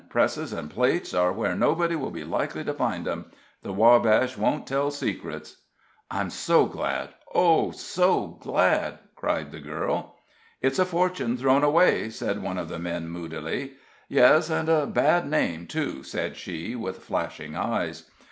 "Presses and plates are where nobody will be likely to find them. The Wabash won't tell secrets." "I'm so glad oh, so glad!" cried the girl. "It's a fortune thrown away," said one of the men, moodily. "Yes, and a bad name, too," said she, with flashing eyes.